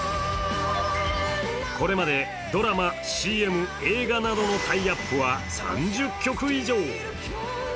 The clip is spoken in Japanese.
これまでドラマ、ＣＭ、映画などのタイアップは３０曲以上。